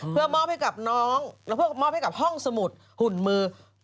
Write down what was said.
เพื่อมอบให้กับน้องแล้วเพื่อมอบให้กับห้องสมุดหุ่นมือ